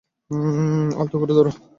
আলতো করে ধরো।